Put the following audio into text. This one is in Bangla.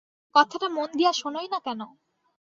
কথাটা মন দিয়া শােনই না কেন?